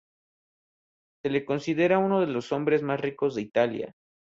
Se le considera uno de los hombres más ricos de Italia.